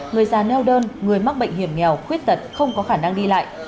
người già neo đơn người mắc bệnh hiểm nghèo khuyết tật không có khả năng đi lại